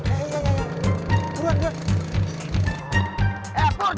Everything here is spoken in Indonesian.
eh pur cepetan